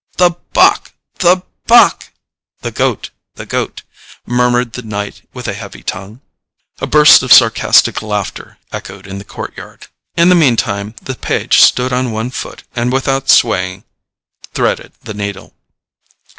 "The bock, the bock" (the goat, the goat), murmured the knight with a heavy tongue. A burst of sarcastic laughter echoed in the courtyard. In the mean time the page stood on one foot, and without swaying threaded the needle.